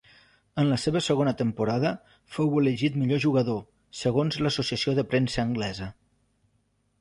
En la seva segona temporada fou elegit millor jugador segons l'associació de premsa anglesa.